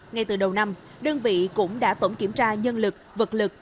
ngay từ đầu năm đơn vị cũng đã tổng kiểm tra nhân lực vật lực